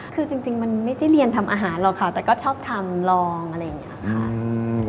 คือจริงมันไม่ได้เรียนทำอาหารหรอกค่ะแต่ก็ชอบทำลองอะไรอย่างนี้ค่ะ